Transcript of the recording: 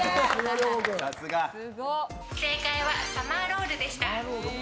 正解はサマーロールでした。